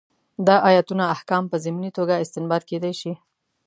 دا ایتونه احکام په ضمني توګه استنباط کېدای شي.